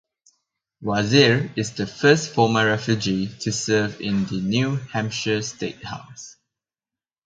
Wazir is the first former refugee to serve in the New Hampshire State House.